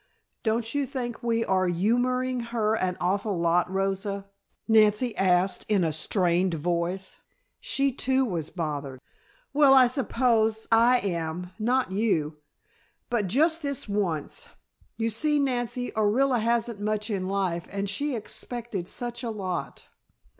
"Don't you think we are humoring her an awful lot, Rosa?" Nancy asked in a strained voice; she too was bothered. "Well, I suppose I am; not you. But just this once. You see, Nancy, Orilla hasn't much in life and she expected such a lot."